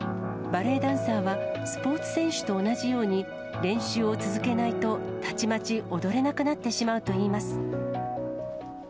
バレエダンサーはスポーツ選手と同じように、練習を続けないと、たちまち踊れなくなってしまうといいます。